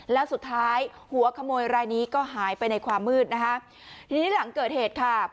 แล้วสุดท้ายหัวขโมยรายนี้ก็หายไปในความมืดนะคะทีนี้หลังเกิดเหตุค่ะ